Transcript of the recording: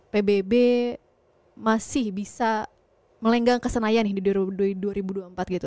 pbb masih bisa melenggang ke senayan di dua ribu dua puluh empat gitu